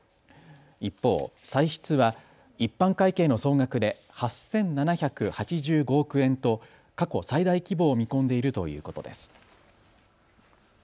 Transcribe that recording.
一方、歳出は一般会計の総額で８７８５億円と過去最大規模を見込んでいるということです。